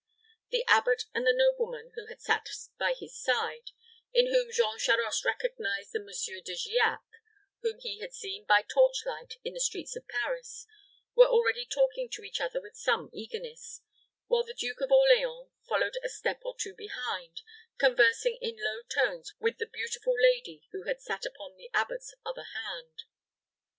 The abbot, and the nobleman who had sat by his side, in whom Jean Charost recognized the Monsieur De Giac whom he had seen by torch light in the streets of Paris, were already talking to each other with some eagerness, while the Duke of Orleans followed a step or two behind, conversing in low tones with the beautiful lady who had sat upon the abbot's other hand.